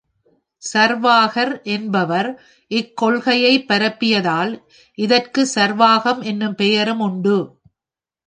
சார்வாகர் என்பவர் இக்கொள்கையைப் பரப்பியதால் இதற்குச் சார்வாகம் என்னும் பெயரும் உண்டு.